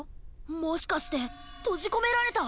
もしかしてとじこめられた？